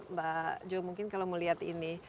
mbak jo mungkin kalau mau lihat ini